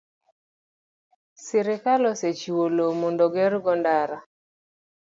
sirkal osechiwo lowo mondo ogergo ndara.